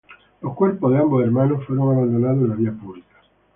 Los cuerpos de ambos hermanos fueron abandonados en la vía pública.